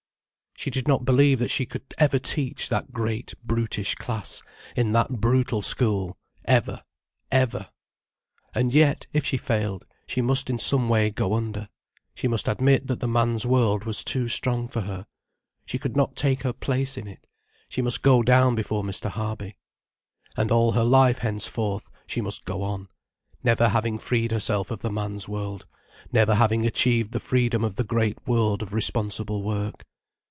She did not believe that she could ever teach that great, brutish class, in that brutal school: ever, ever. And yet, if she failed, she must in some way go under. She must admit that the man's world was too strong for her, she could not take her place in it; she must go down before Mr. Harby. And all her life henceforth, she must go on, never having freed herself of the man's world, never having achieved the freedom of the great world of responsible work.